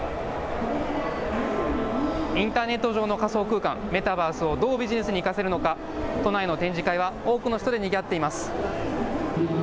インターネット上の仮想空間、メタバースをどうビジネスに生かせるのか都内の展示会は多くの人でにぎわっています。